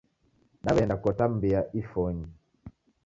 Daweenda kota mbia ifonyi